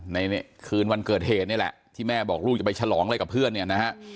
ในคืนวันเกิดเหตุนี่แหละที่แม่บอกลูกจะไปฉลองอะไรกับเพื่อนเนี่ยนะฮะ